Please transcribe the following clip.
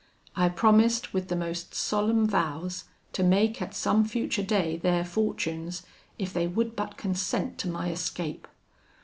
I promised, with the most solemn vows, to make at some future day their fortunes, if they would but consent to my escape.